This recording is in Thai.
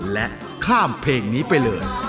และข้ามเพลงนี้ไปเลย